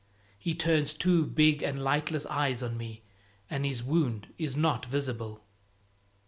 He turns two big and lightless eyes on me, and his wound is not visible.